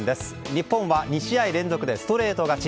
日本は２試合連続でストレート勝ち。